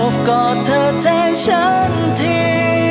อบกอดเธอแทนฉันที